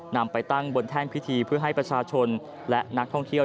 นำไปตั้งบนแท่นพิธีเพื่อให้ประชาชนและนักท่องเที่ยว